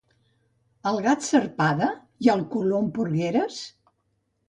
Al gat sarpada? I al colom porgueres?